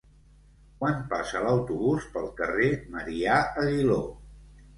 Quan passa l'autobús pel carrer Marià Aguiló?